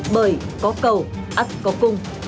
bởi có cầu ắt có cung